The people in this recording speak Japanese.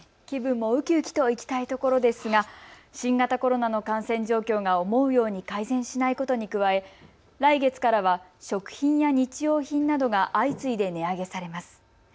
気分もうきうきといきたいところですが、新型コロナの感染状況が思うように改善しないことに加え来月からは食品や日用品などが相次いで値上げされます。